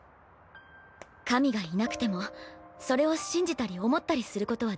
神がいなくてもそれを信じたり思ったりすることはできる。